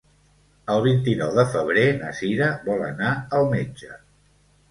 El vint-i-nou de febrer na Sira vol anar al metge.